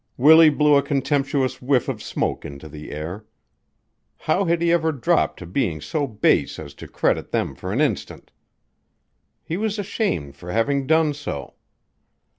Willie blew a contemptuous whiff of smoke into the air. How had he ever dropped to being so base as to credit them for an instant? He was ashamed for having done so.